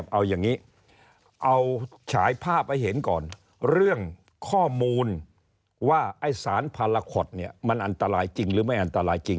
เอาอย่างนี้เอาฉายภาพให้เห็นก่อนเรื่องข้อมูลว่าไอ้สารพาราคอตเนี่ยมันอันตรายจริงหรือไม่อันตรายจริง